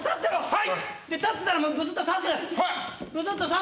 はい。